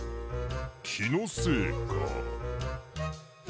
きのせいか。